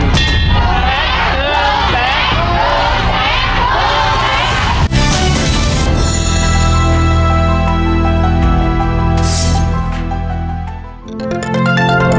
นาที๓นาที